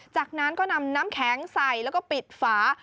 จากนั้นก็นำน้ำแข็งใส่แล้วก็ปิดฝา